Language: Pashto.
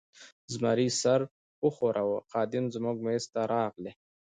زمري سر و ښوراوه، خادم زموږ مېز ته راغلی.